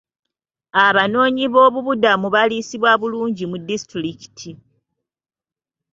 Abanoonyi boobubudamu baliisibwa bulungi mu disitulikiti.